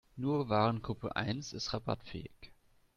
Nur Warengruppe eins ist rabattfähig.